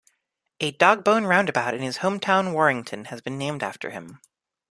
A dog-bone roundabout in his home town Warrington has been named after him.